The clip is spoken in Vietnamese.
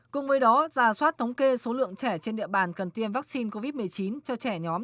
cùng với đó ra soát thống kê số lượng trẻ trên địa bàn cần tiêm vaccine covid một mươi chín cho trẻ nhóm